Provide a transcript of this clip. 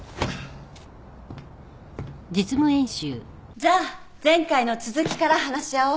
じゃあ前回の続きから話し合おう。